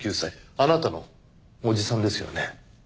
あなたの叔父さんですよね。